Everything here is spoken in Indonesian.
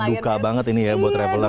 duka banget ini ya buat traveler